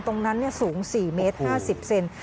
ตรงนั้นสูง๔เมตร๕๐เซน